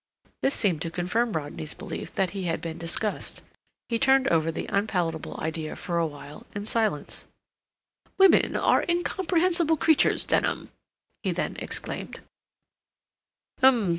This seemed to confirm Rodney's belief that he had been discussed. He turned over the unpalatable idea for a while, in silence. "Women are incomprehensible creatures, Denham!" he then exclaimed.